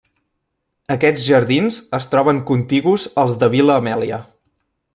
Aquests jardins es troben contigus als de Vil·la Amèlia.